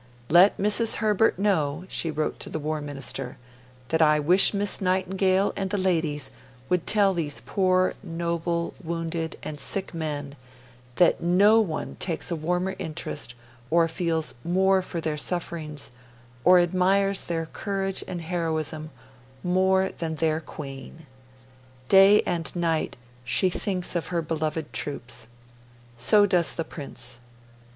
'Let Mrs. Herbert know,' she wrote to the War Minister, 'that I wish Miss Nightingale and the ladies would tell these poor noble, wounded, and sick men that NO ONE takes a warmer interest or feels MORE for their sufferings or admires their courage and heroism MORE than their Queen. Day and night she thinks of her beloved troops. So does the Prince.